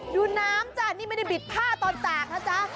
ดูน้ำจ้ะนี่ไม่ได้บิดผ้าตอนแตกนะจ๊ะ